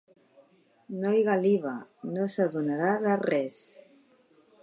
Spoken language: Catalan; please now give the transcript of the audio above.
No hi galiva: no s'adonarà de res.